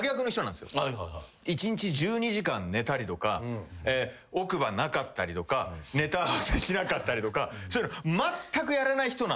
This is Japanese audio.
１日１２時間寝たりとか奥歯なかったりとかネタ合わせしなかったりとかまったくやらない人なんですよ。